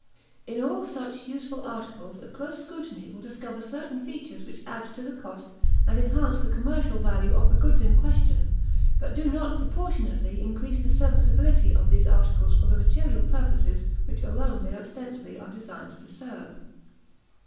In all such useful articles a close scrutiny will discover certain features which add to the cost and enhance the commercial value of the goods in question, but do not proportionately increase the serviceability of these articles for the material purposes which alone they ostensibly are designed to serve.